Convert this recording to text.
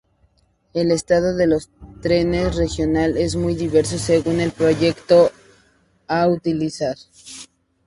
El estado de los trenes "Regional" es muy diverso según el trayecto a utilizar.